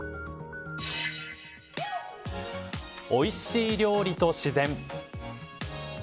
おいしい料理と自然。